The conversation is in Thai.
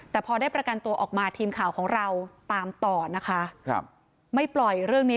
แต่พอได้ประกันตัวออกมาทีมข่าวของเราตามต่อนะคะครับไม่ปล่อยเรื่องนี้